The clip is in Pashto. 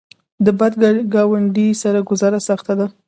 د بد ګاونډي سره ګذاره سخته ده.